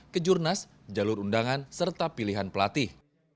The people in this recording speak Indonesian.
kejurnas jalur undangan serta pilihan pelatih